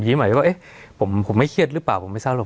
สวัสดีครับทุกผู้ชม